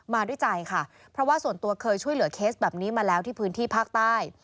มาด้วยใจค่ะเพราะว่าส่วนตัวเคยช่วยเหลือเคสแบบนี้มาแล้วที่พื้นที่ภาคใต้